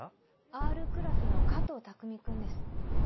Ｒクラスの加藤匠君です。